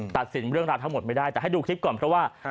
ตัดสินเรื่องราวทั้งหมดไม่ได้แต่ให้ดูคลิปก่อนเพราะว่า